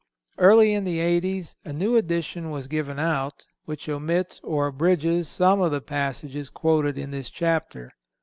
Early in the 80s a new edition was given out, which omits or abridges some of the passages quoted in this chapter.